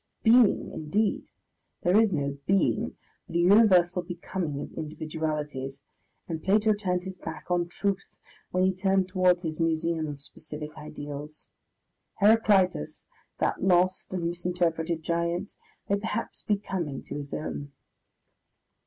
Being, indeed! there is no being, but a universal becoming of individualities, and Plato turned his back on truth when he turned towards his museum of specific ideals. Heraclitus, that lost and misinterpreted giant, may perhaps be coming to his own....